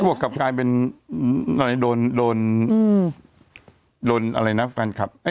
กลับกลายเป็นรโดนนะครับ